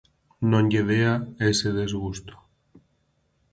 Non lle dea ese desgusto.